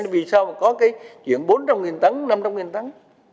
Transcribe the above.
vì sao mà có cái chuyện bốn trăm linh tấn năm trăm linh tấn